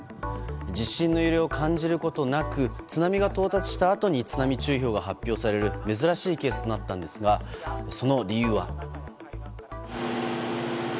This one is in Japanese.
地震の揺れを感じることなく津波が到達したあとに津波注意報が発表される珍しいケースとなったんですがその理由は。